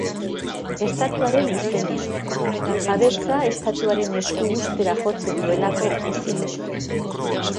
Estatuaren izenean; jabetza Estatuaren esku uztera jotzen duelako ezinbestean.